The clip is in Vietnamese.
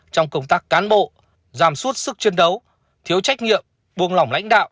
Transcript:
trong công tác cán bộ giảm suốt sức chiến đấu thiếu trách nhiệm buông lỏng lãnh đạo